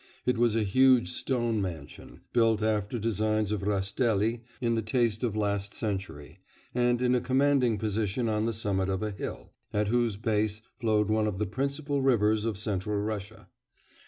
It was a huge stone mansion, built after designs of Rastrelli in the taste of last century, and in a commanding position on the summit of a hill, at whose base flowed one of the principal rivers of central Russia.